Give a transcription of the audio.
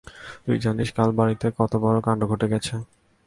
তুই জানিস কাল বাড়িতে কত বড় কাণ্ড ঘটে গেছে?